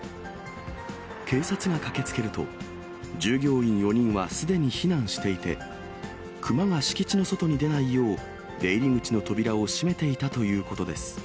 警察が駆けつけると、従業員４人はすでに避難していて、熊が敷地の外に出ないよう、出入り口の扉を閉めていたということです。